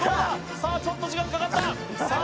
さあちょっと時間かかったさあ